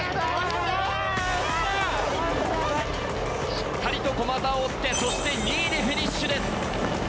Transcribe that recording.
しっかりと駒澤を追って２位でフィニッシュです。